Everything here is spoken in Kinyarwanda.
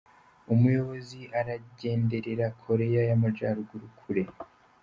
Umuyobozi aragenderera Koreya y’Amajyaruguru kure